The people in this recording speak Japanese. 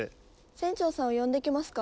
船長さんを呼んできますか？